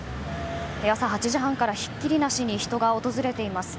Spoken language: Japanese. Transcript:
朝８時半からひっきりなしに人が訪れています。